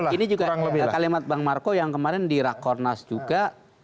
ini juga kalimat bang marco yang kemarin di rakornas juga